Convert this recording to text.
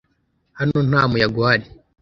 Hano nta muyaga uhari.